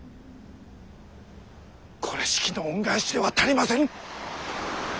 これしきの恩返しでは足りませぬ！